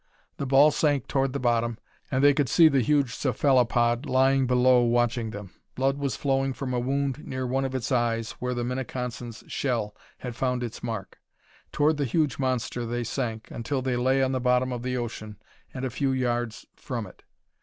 The ball sank toward the bottom and they could see the huge cephalopod lying below watching them. Blood was flowing from a wound near one of its eyes where the Minneconsin's shell had found its mark. Toward the huge monster they sank until they lay on the bottom of the ocean and a few yards from it.